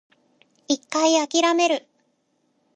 一回諦める